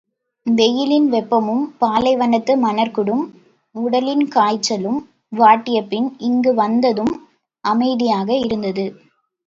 வெயிலின் வெப்பமும், பாலைவனத்து மணற்குடும் உடலின் காய்ச்சலும் வாட்டியபின் இங்கு வந்ததும் அமைதியாக இருந்தது.